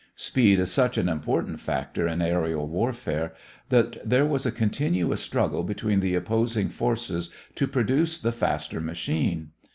Speed is such an important factor in aërial warfare that there was a continuous struggle between the opposing forces to produce the faster machine.